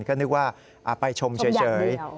ก็นึกว่าไปชมเฉย